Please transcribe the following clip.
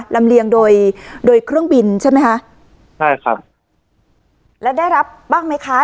ลำเลียงโดยโดยเครื่องบินใช่ไหมคะใช่ครับแล้วได้รับบ้างไหมคะ